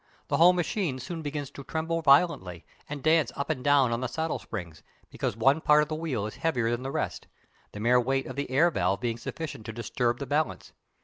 The whole machine soon begins to tremble violently, and dance up and down on the saddle springs, because one part of the wheel is heavier than the rest, the mere weight of the air valve being sufficient to disturb the balance.